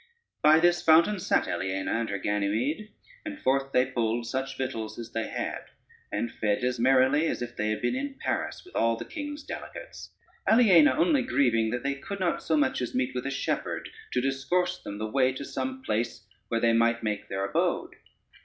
By this fountain sat Aliena and her Ganymede, and forth they pulled such victuals as they had, and fed as merrily as if they had been in Paris with all the king's delicates, Aliena only grieving that they could not so much as meet with a shepherd to discourse them the way to some place where they might make their abode.